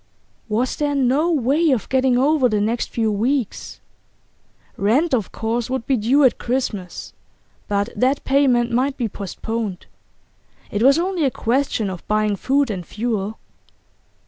Was there no way of getting over the next few weeks? Rent, of course, would be due at Christmas, but that payment might be postponed; it was only a question of buying food and fuel.